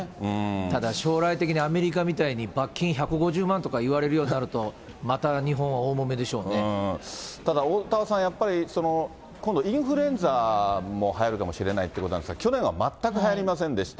ただ、将来的にアメリカみたいに罰金１５０万とか言われるようになると、ただ、おおたわさん、やっぱり、今度インフルエンザもはやるかもしれないということなんですが、去年は全くはやりませんでした。